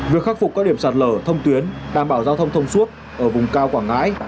việc khắc phục các điểm sạt lở thông tuyến đảm bảo giao thông thông suốt ở vùng cao quảng ngãi